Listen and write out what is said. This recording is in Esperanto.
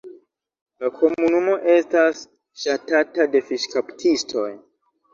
La komunumo estas ŝatata de fiŝkaptistoj.